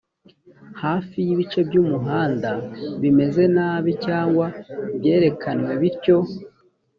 hafi y ibice by umuhanda bimeze nabi cyangwa byerekanywe bityo